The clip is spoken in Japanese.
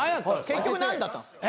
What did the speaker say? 結局何だったんですか？